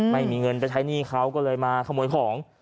ไม่มีเงินไปใช้หนี้เขาก็เลยมาขโมยของ